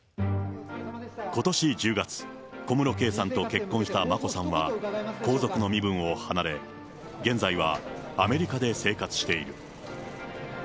ことし１０月、小室圭さんと結婚した眞子さんは皇族の身分を離れ、現在はアメリカで生活している。